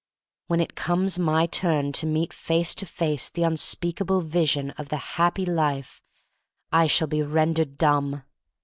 When it comes my turn to meet face to face the unspeakable vision of the Happy Life I shall be rendered dumb.